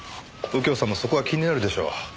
右京さんもそこは気になるでしょ？